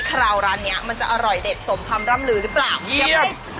ไอคราวร้านนี้มันจะอร่อยเด็ดสมคำร่ำลือไปหรือเปล่า